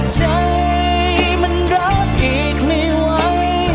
ใจมันรักอีกไม่ไหว